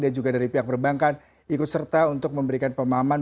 dan juga dari pihak perbankan ikut serta untuk memberikan pemahaman